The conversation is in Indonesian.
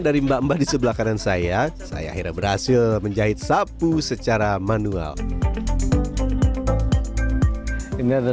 dari mbak mbah di sebelah kanan saya saya akhirnya berhasil menjahit sapu secara manual ini ada